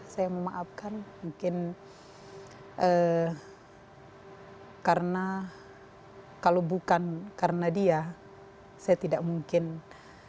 saya memaafkan mungkin karena kalau bukan karena dia saya tidak mungkin bisa mengandalkan dia